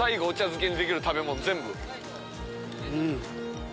漬けにできる食べ物全部。